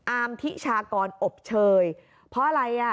อามทิชากรอบเชยเพราะอะไร